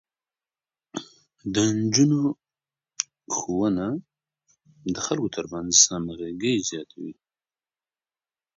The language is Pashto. د نجونو ښوونه د خلکو ترمنځ همغږي زياتوي.